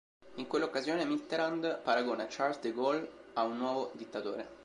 In quella occasione Mitterrand paragona Charles De Gaulle a un nuovo dittatore.